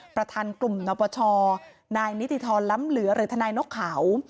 ประธานกลุ่มนปชนายนิติธรรมล้ำเหลือหรือทนายนกเขา